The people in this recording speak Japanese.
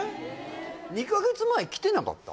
２カ月前来てなかった？